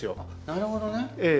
なるほどね。